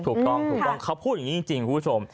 ถูกต้องเขาพูดอย่างนี้จริงคุณผู้ชม